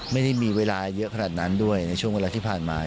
ไม่ได้มีเวลาเยอะขนาดนั้นด้วยในช่วงเวลาที่ผ่านมา